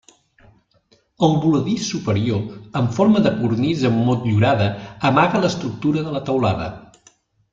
El voladís superior, en forma de cornisa motllurada amaga l'estructura de la teulada.